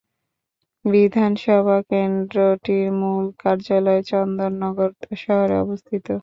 বিধানসভা কেন্দ্রটির মূল কার্যালয় চন্দননগর শহরে অবস্থিত।